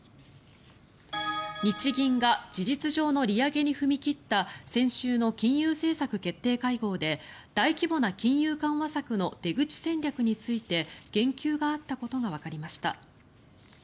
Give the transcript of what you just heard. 日銀が事実上の利上げに踏み切った先週の金融政策決定会合で大規模な金融緩和策の出口戦略について言及があったことがわかりました。